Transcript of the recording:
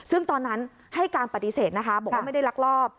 ซึ่งตอนนั้นให้การปฏิเสธนะคะบอกว่าไม่ได้ลักลอบ